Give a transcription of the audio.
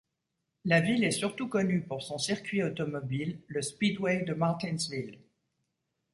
La ville est surtout connue pour son circuit automobile, le Speedway de Martinsville.